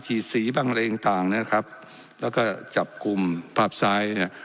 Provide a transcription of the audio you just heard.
ฉีดสีบ้างอะไรอย่างต่างเนี้ยนะครับแล้วก็จับกลุ่มปราบซ้ายเนี้ย